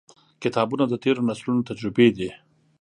• کتابونه، د تیرو نسلونو تجربې دي.